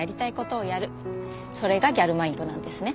それがギャルマインドなんですね。